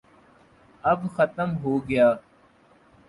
اب ختم ہوگیا۔